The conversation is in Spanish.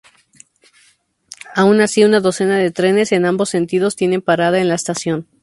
Aun así, una docena de trenes, en ambos sentidos, tienen parada en la estación.